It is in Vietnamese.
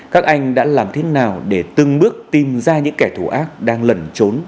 các anh đã làm thế nào để từng bước tìm ra những kẻ thù ác đang lẩn trốn